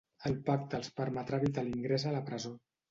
El pacte els permetrà evitar l’ingrés a la presó.